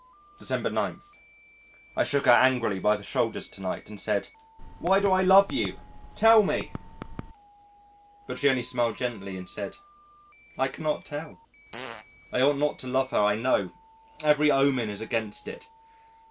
December 9. ... I shook her angrily by the shoulders to night and said, "Why do I love you? Tell me," but she only smiled gently and said, "I cannot tell...." I ought not to love her, I know every omen is against it....